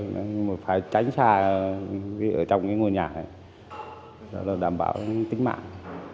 mình phải tránh xa ở trong ngôi nhà để đảm bảo tính mạng